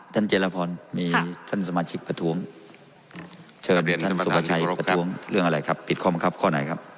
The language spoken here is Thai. เจรพรมีท่านสมาชิกประท้วงเชิญท่านสุประชัยประท้วงเรื่องอะไรครับผิดข้อบังคับข้อไหนครับ